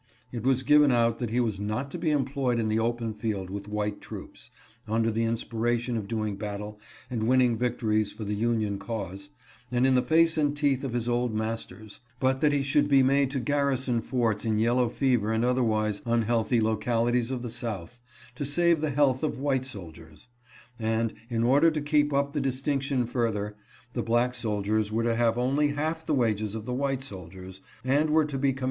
It was given out that he was not to be employed in the open field with white troops, under the inspiration of doing battle and winning victories for the Union cause, and in the face and teeth of his old masters, but that he should be made to garrison forts in yellow fever and otherwise unhealthy localities of the South, to save the health of white soldiers ; and, in order to keep up the dis tinction further, the black soldiers were to have only half the wages of the white soldiers, and were to be com 414 APPEAL TO COLORED MEN.